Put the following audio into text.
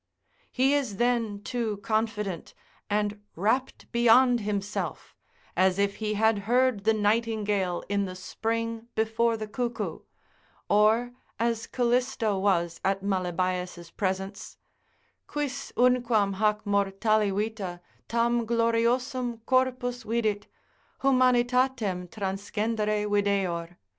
He is then too confident and rapt beyond himself, as if he had heard the nightingale in the spring before the cuckoo, or as Calisto was at Malebaeas' presence, Quis unquam hac mortali vita, tam gloriosum corpus vidit? humanitatem transcendere videor.